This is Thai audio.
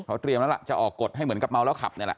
เขาเตรียมแล้วล่ะจะออกกฎให้เหมือนกับเมาแล้วขับนี่แหละ